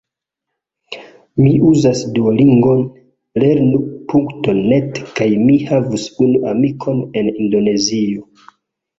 Mi uzas Duolingon, Lernu.net kaj mi havas unu amikon en Indonezio